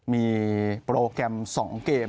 มีโปรแกรม๒เกม